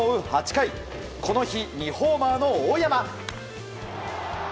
８回この日２ホーマーの大山。